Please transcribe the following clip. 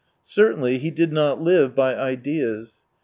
Certainly he did not live by ideas.